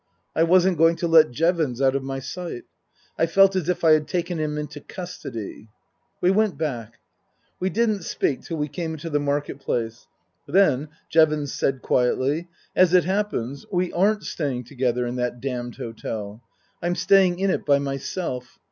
I wasn't going to let Jevons out of my sight. I felt as if I had taken him into custody. We went back. We didn't speak till we came into the Market Place. Then Jevons said quietly :" As it happens, we aren't staying together in that damned hotel. I'm staying in it by myself.